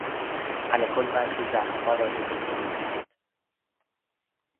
الکل برخی زخمها را ضدعفونی میکند.